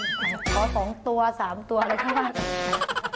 ขอ๒ตัว๓ตัวอะไรข้าว่ากัน